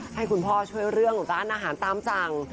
ให้คุณพ่อช่วยเรื่องร้านอาหารตามสั่ง